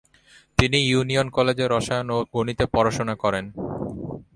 তিনি ইউনিয়ন কলেজে রসায়ন ও গণিতে পড়াশোনা করেন।